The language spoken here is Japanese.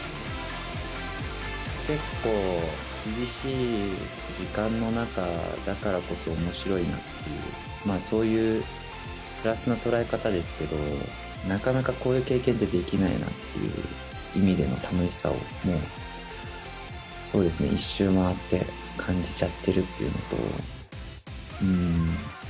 結構、厳しい時間の中だからこそ、おもしろいなっていう、そういうプラスの捉え方ですけど、なかなかこういう経験ってできないなっていう意味での楽しさをもう、そうですね、一周回って感じちゃってるっていうのと。